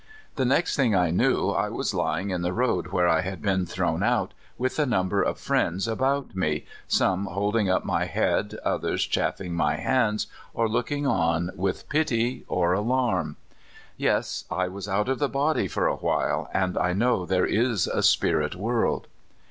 The next thing I knew I was lying in the road where I had been thrown out, with a number of friends about me, some holding up my head, others chafing my hands, or looking on with pity or alarm. Yes, I was out of the body for a little, and I know there is a spirit world."